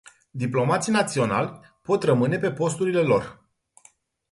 Diplomații naționali pot rămâne pe posturile lor.